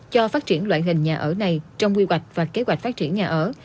cho phát triển loại hình nhà ở này trong quy hoạch và kế hoạch phát triển nhà ở